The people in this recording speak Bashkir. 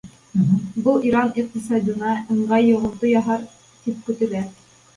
Был Иран иҡтисадына ыңғай йоғонто яһар тип көтөлә.